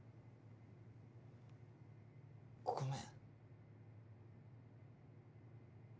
ごめん。